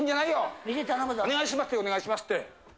お願いしますって言え。